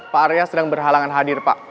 pak arya sedang berhalangan hadir pak